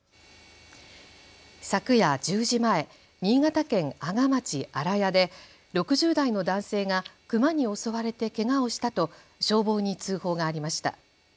昨夜１０時前、新潟県阿賀町新谷で６０代の男性がクマに襲われてけがをしたと消防に通報がありました。